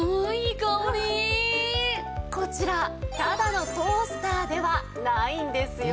こちらただのトースターではないんですよ。